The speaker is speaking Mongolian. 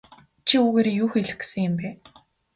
Чи үүгээрээ юу хэлэх гэсэн юм бэ?